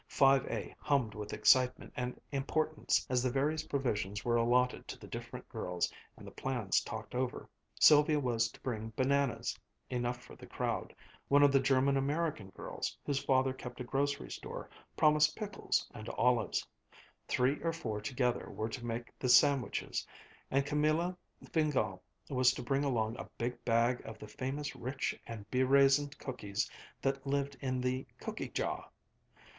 Five A hummed with excitement and importance as the various provisions were allotted to the different girls and the plans talked over. Sylvia was to bring bananas enough for the crowd; one of the German American girls, whose father kept a grocery store, promised pickles and olives; three or four together were to make the sandwiches, and Camilla Fingál was to bring along a big bag of the famous rich and be raisined cookies that lived in the "cookie jah."